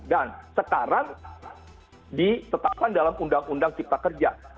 dan sekarang disetapkan dalam undang undang cipta kerja